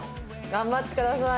頑張ってください。